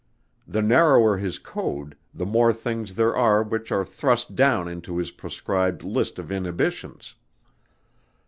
The narrower his code, the more things there are which are thrust down into his proscribed list of inhibitions.